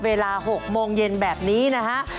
เวลา๖โมงเย็นแบบนี้นะฮะ